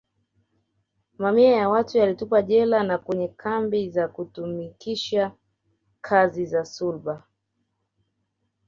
Mamia ya watu walitupwa jela na kwenye kambi za kutumikisha kazi za sulba